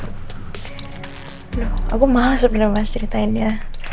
aduh aku males udah ngebahas ceritainnya